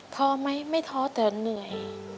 ท้อไหมไม่ท้อแต่เหนื่อย